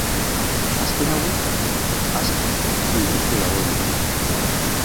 Azken hauek aske utzi dituzte dagoeneko.